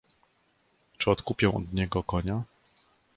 "Czy odkupię od niego konia?"